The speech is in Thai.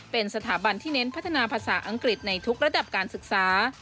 เป็นสถาบันที่เน้นพัฒนาภาษาอังกฤษในทุกระดับการศึกษา